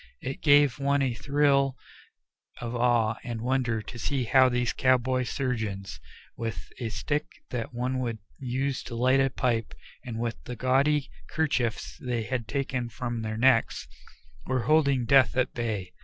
It gave one a thrill of awe and wonder to see how these cowboy surgeons, with a stick that one would use to light a pipe and with the gaudy 'kerchiefs they had taken from their necks, were holding death at bay.